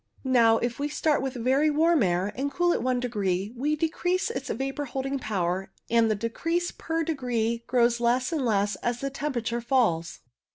Now, if we start with very warm air, and cool it i degree, we decrease its vapour holding power, and the decrease per degree grows less and less as the temperature 88 CUMULUS falls.